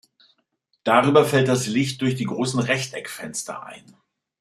Darüber fällt das Licht durch die großen Rechteckfenster ein.